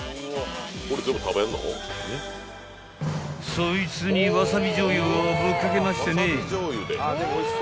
［そいつにわさびじょうゆをぶっ掛けましてね］